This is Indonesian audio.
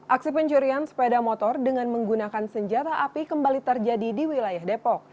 aksi pencurian sepeda motor dengan menggunakan senjata api kembali terjadi di wilayah depok